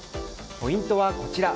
ポイントはこちら。